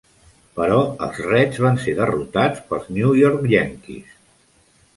Però els Reds van ser derrotats pels New York Yankees.